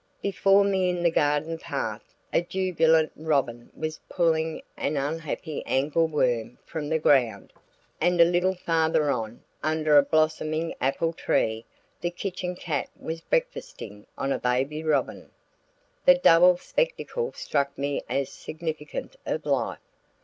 Before me in the garden path, a jubilant robin was pulling an unhappy angle worm from the ground, and a little farther on, under a blossoming apple tree, the kitchen cat was breakfasting on a baby robin. The double spectacle struck me as significant of life.